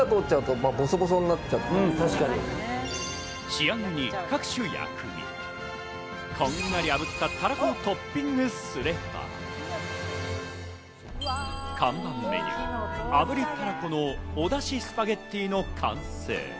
仕上げに各種薬味、こんがり炙ったたらこをトッピングすれば、看板メニュー、炙りたらこのお出汁スパゲッティの完成。